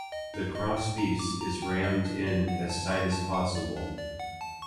The crosspiece is rammed in as tight as possible.